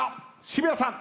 渋谷さん。